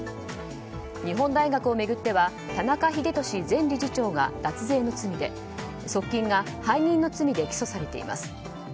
日本大学を巡っては田中英寿前理事長が脱税の罪で、側近が背任の罪で起訴されています。